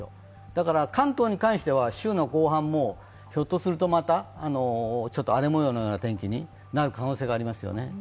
だから関東に関しては週の後半もひょっとすると、またちょっと荒れ模様の天気になる可能性がありますよね。